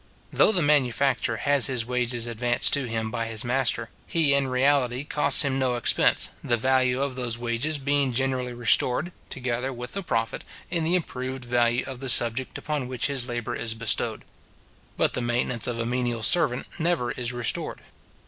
Though the manufacturer has his wages advanced to him by his master, he in reality costs him no expense, the value of those wages being generally restored, together with a profit, in the improved value of the subject upon which his labour is bestowed. But the maintenance of a menial servant never is restored.